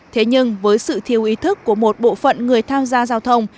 thế nhưng với sự thiêu ý thức của một bộ phận người tham gia giao thông